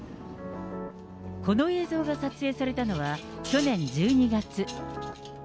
この映像が撮影されたのは、去年１２月。